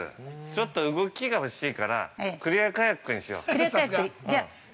ちょっと動きがほしいから、クリアカヤックにしよう。